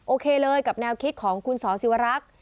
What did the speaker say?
โอเคเลยกับแนวคิดของคุณสอสิวรักษ์